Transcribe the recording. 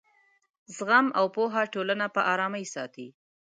زغم او پوهه ټولنه په ارامۍ ساتي.